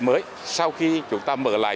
mới sau khi chúng ta mở lại